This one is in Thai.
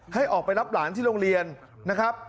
ให้ออกไปรับหลานที่โรงเรียนนะครับ